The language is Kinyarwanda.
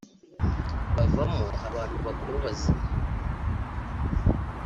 bavamo abantu bakuru bazima